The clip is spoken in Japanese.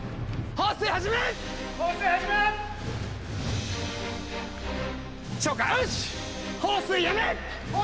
放水やめ。